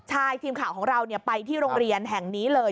ใช่ทีมข่าวของเราไปที่โรงเรียนแห่งนี้เลย